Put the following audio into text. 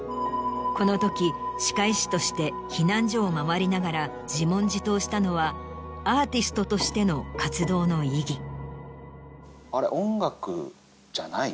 このとき歯科医師として避難所を回りながら自問自答したのはアーティストとしての活動の意義。